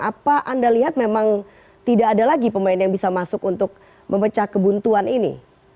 apa anda lihat memang tidak ada lagi pemain yang bisa masuk untuk memecah kebuntuan ini